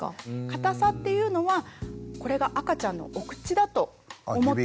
硬さっていうのはこれが赤ちゃんのお口だと思って頂いて。